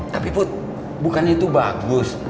tapi put bukan itu bagus